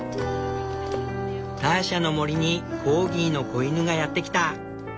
ターシャの森にコーギーの子犬がやってきた！